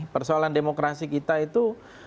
persoalan demokrasi kita itu